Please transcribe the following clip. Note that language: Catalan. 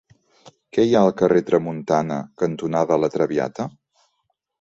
Què hi ha al carrer Tramuntana cantonada La Traviata?